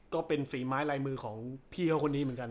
ก็เป็นฝีไม้ลายมือของพี่เขาคนนี้เหมือนกัน